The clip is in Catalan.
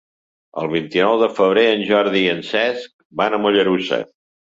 El vint-i-nou de febrer en Jordi i en Cesc van a Mollerussa.